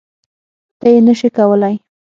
ته یی نه سی کولای